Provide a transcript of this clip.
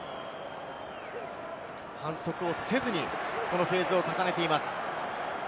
反則せずにフェーズを重ねています。